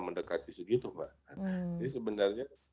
mendekati segitu mbak jadi sebenarnya